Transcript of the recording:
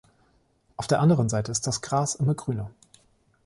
Auf der anderen Seite ist das Gras immer grüner.